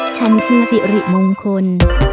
ฉันคือสิริมงคล